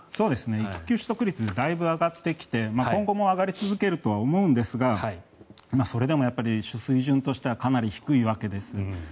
育休取得率だいぶ上がってきて今後も上がり続けるとは思うんですがそれでも水準としてはかなり低いわけです。